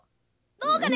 「どうかね？